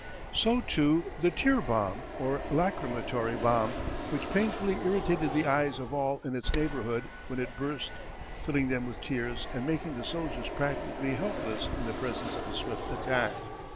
So too the tear bomb, or lachrymatory bomb, which painfully irritated the eyes of all in its neighbourhood when it burst, filling them with tears and making the soldiers practically helpless in the presence of a swift attack.